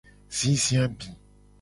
Zizi abi.